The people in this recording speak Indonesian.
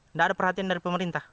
tidak ada perhatian dari pemerintah